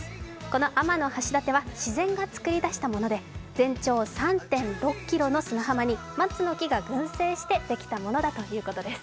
この天橋立は自然が作り出したもので全長３．６ｋｍの砂浜に松の木が群生してできたものだということです。